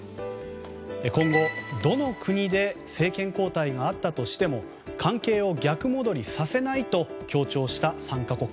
今後、どの国で政権交代があったとしても関係を逆戻りさせないと強調した３か国。